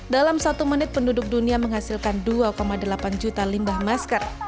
dalam satu menit penduduk dunia menghasilkan dua delapan juta limbah masker